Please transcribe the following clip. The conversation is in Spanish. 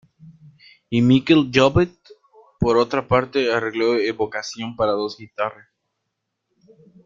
Y Miquel Llobet, por otra parte, arregló Evocación para dos guitarras.